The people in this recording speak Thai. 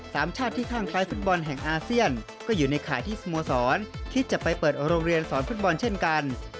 สามชาติที่ข้างซ้ายฟุตบอลแห่งอาเซียนก็อยู่ในข่ายที่สโมสรคิดจะไปเปิดโรงเรียนสอนฟุตบอลเช่นกัน